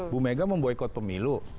bu mega memboykot pemilu